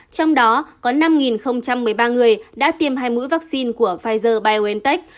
trong đó có năm một mươi ba người đã tiêm hai mũi vaccine của pfizer biontech